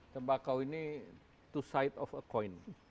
tembakau ini dua sisi dari koin